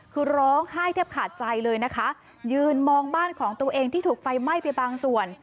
คือร้องไห้แทบขาดใจเลยนะคะยืนมองบ้านของตัวเองที่ถูกไฟไหม้ไปบางส่วน